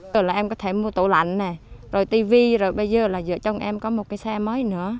từ lần em có thể mua tủ lạnh rồi tivi rồi bây giờ là giữa trong em có một cái xe mới